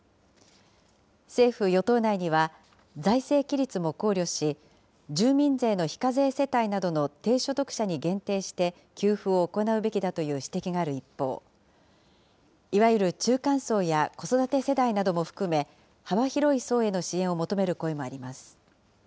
政府・与党内には、財政規律も考慮し、住民税の非課税世帯などの低所得者に限定して給付を行うべきだという指摘がある一方、いわゆる中間層や子育て世代なども含め、幅広い層への支援を求める声もあります。